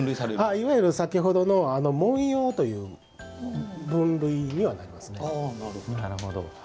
いわゆる、先ほどの紋様という分類にはなりますね。